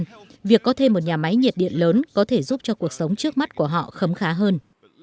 vì vậy việc có thêm một nhà máy nhiệt điện lớn có thể giúp cho cuộc sống trước mắt của họ khấm khá hơn